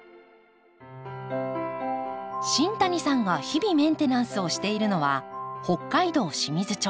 新谷さんが日々メンテナンスをしているのは北海道清水町